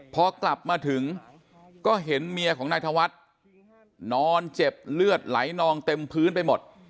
พอกลับมาถึงก็เห็นเมียของนายธวัฒน์นอนเจ็บเลือดไหลนองเต็มพื้นไปหมด